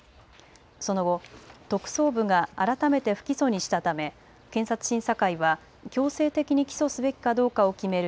その後、特捜部が改めて不起訴にしたため検察審査会は強制的に起訴すべきかどうかを決める